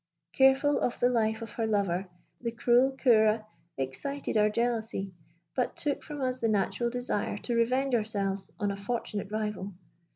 Careful of the life of her lover, the cruel Ceora excited our jealousy, but took from us the natural desire to revenge ourselves on a fortunate rival.